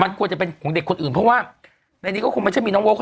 มันควรจะเป็นของเด็กคนอื่นเพราะว่าในนี้ก็คงไม่ใช่มีน้องโก๊ค